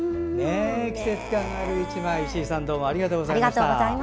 季節感のある１枚を石井さんどうもありがとうございました。